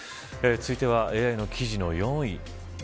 次はＡＩの記事の４位。